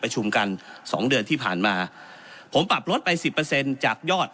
กันสองเดือนที่ผ่านมาผมปรับลดไปสิบเปอร์เซ็นต์จากยอด